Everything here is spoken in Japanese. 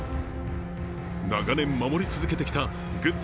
長年守り続けてきたグッズ